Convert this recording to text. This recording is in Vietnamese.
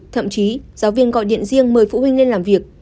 thậm chí giáo viên gọi điện riêng mời phụ huynh lên làm việc